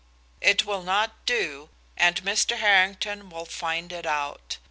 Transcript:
It will not do, and Mr. Harrington will find it out.